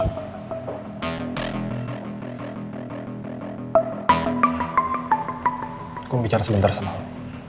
aku mau bicara sebentar sama kamu